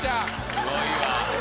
すごいわ。